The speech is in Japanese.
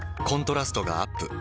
コントラストがアップ。